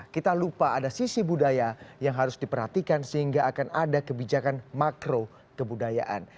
kita lupa ada sisi budaya yang harus diperhatikan sehingga akan ada kebijakan makro kebudayaan